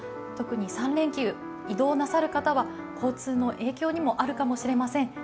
特に３連休、移動なさる方は交通に影響があるかもしれません。